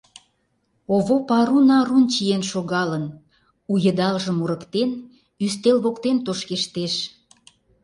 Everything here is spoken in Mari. Овоп арун-арун чиен шогалын, у йыдалжым мурыктен, ӱстел воктен тошкештеш.